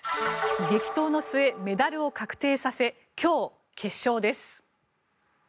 激闘の末、メダルを確定させ今日、決勝です。